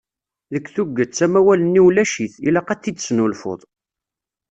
Deg tuget, amawal-nni ulac-it, ilaq ad t-id-tesnulfuḍ.